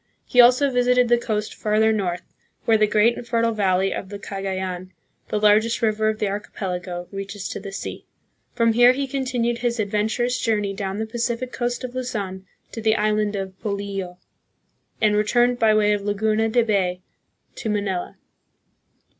He also visited the coast farther north, where the great and fertile valley of the Cagayan, the largest river of the archipelago, reaches to the sea. From here he continued his adventurous journey down the Pacific coast of Luzon to the island of Polillo, and returned by way of Laguna de Bay to Manila.